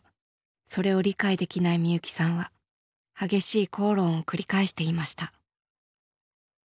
それを理解できないみゆきさんは激しい口論を繰り返していました。